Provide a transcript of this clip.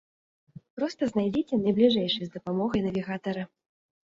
Проста знайдзіце найбліжэйшы з дапамогай навігатара.